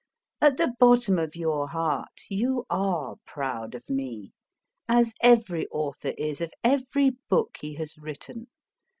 At the bottom of your heart you are proud of me, as ever} author is of every book he has written.